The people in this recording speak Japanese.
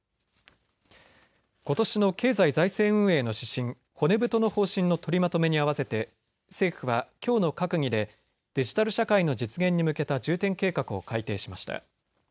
ことしの経済財政運営の指針、骨太の方針の取りまとめにあわせて政府はきょうの閣議でデジタル社会の実現に向けた重点計画を改定しました。